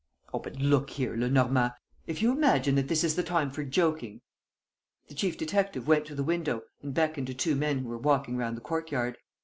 "Oh, but look here, Lenormand ... if you imagine that this is the time for joking ..." The chief detective went to the window and beckoned to two men who were walking round the courtyard.